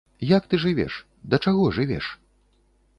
Як ты жывеш, да чаго жывеш?